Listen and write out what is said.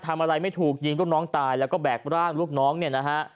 ทำอะไรไม่ถูกยิงต้นน้องตายแล้วก็แบกร่างลูกน้องเนี่ยนะฮะ